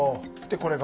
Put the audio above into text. これが？